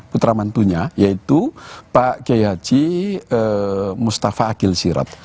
putra mantunya yaitu pak kiai haji mustafa akil sirab